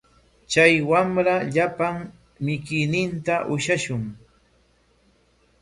Chay wamra llapan mikuyninta ushatsun.